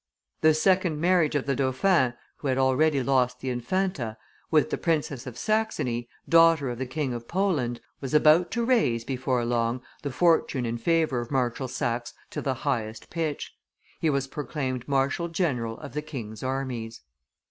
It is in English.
The second marriage of the dauphin who had already lost the Infanta with the Princess of Saxony, daughter of the King of Poland, was about to raise, before long, the fortune and favor of Marshal Saxe to the highest pitch: he was proclaimed marshal general of the king's armies.